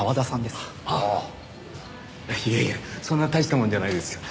いやいやそんな大したもんじゃないですよ。